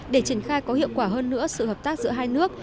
để triển khai có hiệu quả hơn nữa sự hợp tác giữa hai nước